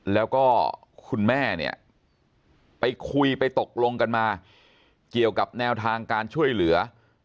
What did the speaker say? แล้วก็คุณแม่เนี่ยไปคุยไปตกลงกันมาเกี่ยวกับแนวทางการช่วยเหลือ